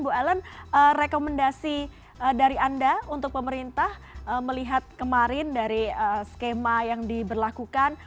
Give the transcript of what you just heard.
bu ellen rekomendasi dari anda untuk pemerintah melihat kemarin dari skema yang diberlakukan